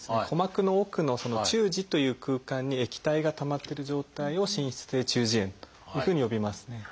鼓膜の奥の「中耳」という空間に液体がたまってる状態を「滲出性中耳炎」というふうに呼びますね。